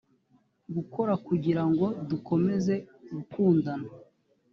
gukora kugira ngo dukomeze gukundana